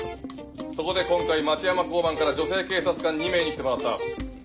そこで今回町山交番から女性警察官２名に来てもらった。